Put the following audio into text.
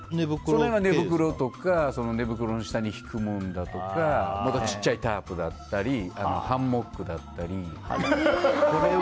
その辺は寝袋とか寝袋の下に敷くものだとか小さいタープがあったりハンモックだったり。